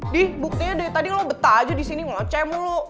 dih buktinya dari tadi lo betah aja disini ngeloceh mulu